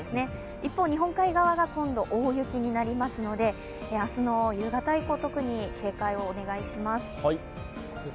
一方、日本海側が今度、大雪になりますので明日の夕方以降、特に警戒をお願いします。